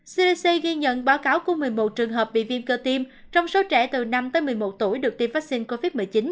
cdc ghi nhận báo cáo của một mươi một trường hợp bị viêm cơ tim trong số trẻ từ năm tới một mươi một tuổi được tiêm vaccine covid một mươi chín